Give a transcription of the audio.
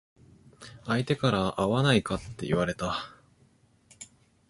相手から会わないかって言われた。